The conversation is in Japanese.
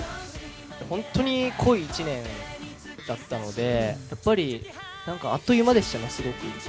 本当に濃い１年だったので、やっぱり、なんかあっという間でしたね、すごく。